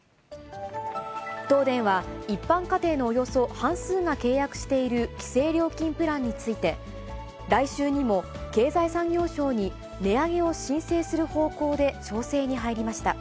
東電は、一般家庭のおよそ半数が契約している規制料金プランについて、来週にも、経済産業省に値上げを申請する方向で調整に入りました。